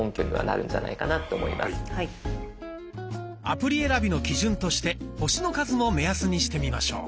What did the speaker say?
アプリ選びの基準として「星の数」も目安にしてみましょう。